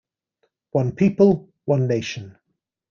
One people, one nation.